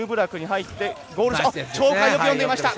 鳥海がよく読んでいました。